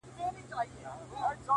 چي په تا یې رنګول زاړه بوټونه -